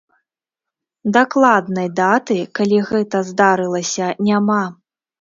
Дакладнай даты, калі гэта здарылася, няма.